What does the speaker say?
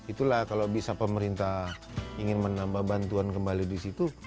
itulah kalau bisa pemerintah ingin menambah bantuan kembali di situ